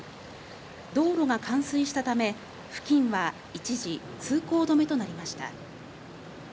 道路が冠水したため付近は一時、通行止めとなりました。